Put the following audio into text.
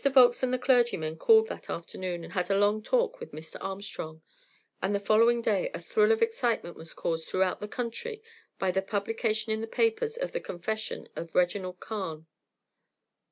Volkes and the clergyman called that afternoon, and had a long talk with Mr. Armstrong, and the following day a thrill of excitement was caused throughout the country by the publication in the papers of the confession of Reginald Carne. Dr.